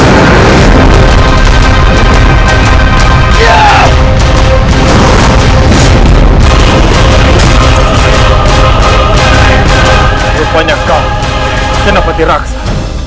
merupakan kau kenapati raksasa